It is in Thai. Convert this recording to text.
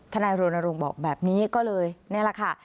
นายรณรงค์บอกแบบนี้ก็เลยนี่แหละค่ะ